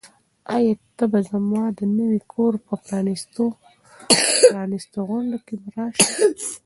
آیا ته به زما د نوي کور په پرانیستغونډه کې راشې؟